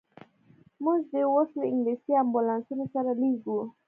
موږ دي اوس له انګلیسي امبولانسونو سره لېږو.